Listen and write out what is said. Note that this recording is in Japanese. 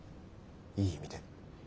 いい意味で。